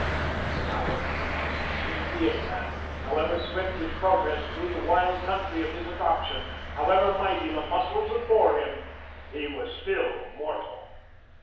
But however keen the senses of the ape man, however swift his progress through the wild country of his adoption, however mighty the muscles that bore him, he was still mortal.